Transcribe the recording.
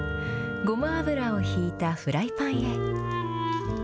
ごま油をひいたフライパンへ。